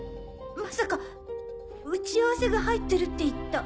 まさか打ち合わせが入ってるって言った。